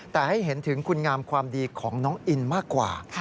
แต่ให้เห็นถึงคุณงามความดีของน้องอินมากกว่า